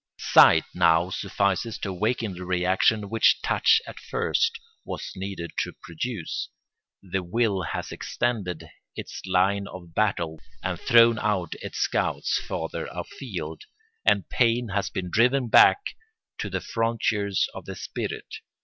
Sight now suffices to awaken the reaction which touch at first was needed to produce; the will has extended its line of battle and thrown out its scouts farther afield; and pain has been driven back to the frontiers of the spirit.